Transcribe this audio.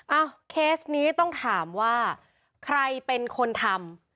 เอ้าเคสนี้ต้องถามว่าใครเป็นคนทำ